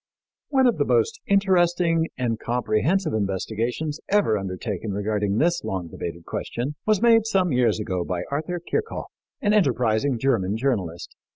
One of the most interesting and comprehensive investigations ever undertaken regarding this long debated question was made some years ago by Arthur Kirchhoff, an enterprising German journalist.